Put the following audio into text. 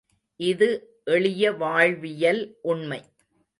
இது எளிய வாழ்வியல் உண்மை.